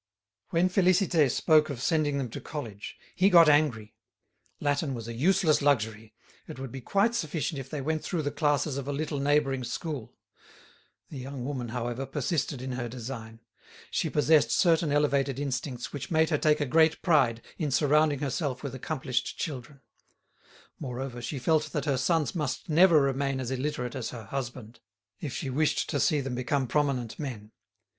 When Félicité spoke of sending them to college, he got angry. Latin was a useless luxury, it would be quite sufficient if they went through the classes of a little neighbouring school The young woman, however, persisted in her design. She possessed certain elevated instincts which made her take a great pride in surrounding herself with accomplished children; moreover, she felt that her sons must never remain as illiterate as her husband, if she wished to see them become prominent men.